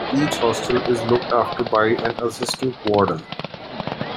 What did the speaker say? Each hostel is looked after by an assistant warden.